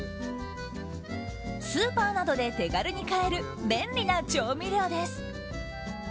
スーパーなどで手軽に買える便利な調味料です。